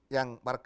yang warga desa